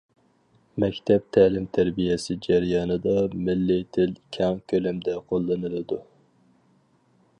مەكتەپ تەلىم-تەربىيەسى جەريانىدا مىللىي تىل كەڭ كۆلەمدە قوللىنىلىدۇ.